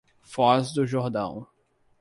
Foz do Jordão